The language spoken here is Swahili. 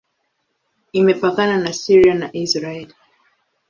Imepakana na Syria na Israel.